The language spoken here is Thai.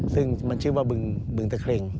ซึ่งมันชื่อว่าบึงตะเครง